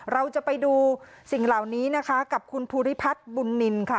เราจะไปดูสิ่งเหล่านี้นะคะกับคุณภูริพัฒน์บุญนินค่ะ